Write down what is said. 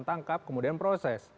tangkap kemudian proses